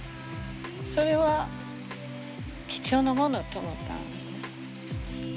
それは貴重なものと思った。